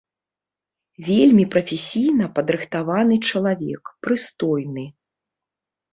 Вельмі прафесійна падрыхтаваны чалавек, прыстойны.